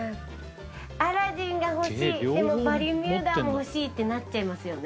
アラジンが欲しいでもバルミューダも欲しいってなっちゃいますよね。